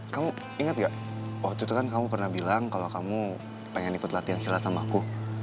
kamu inget gak waktu itu kan kamu pernah bilang kalo kamu pengen ikut latihan silat sama aku